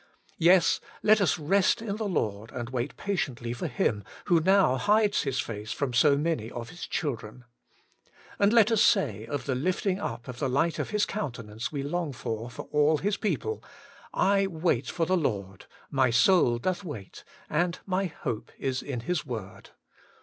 Yes, let us rest in the Lord, and wait patiently for Him who now hides His face from so many of His children. And let us say of the lifting up of the light of His countenance we long for for all H^'g people, 'I wait for the Lord, my soul 88 WAITING ON GODf doth wait, and my hope is in His word.